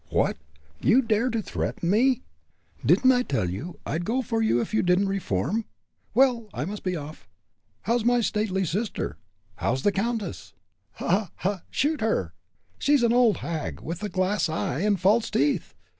"What! you dare to threaten me?" "Didn't I tell you I'd go for you if you didn't reform? Well, I must be off. How's my stately sister? How's the countess? Ha! ha! ha! shoot her. She's an old hag, with a glass eye and false teeth.